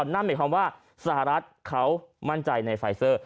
นั่นหมายความว่าสหรัฐเขามั่นใจในไฟเซอร์